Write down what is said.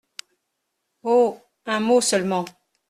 Oh ! un mot seulement.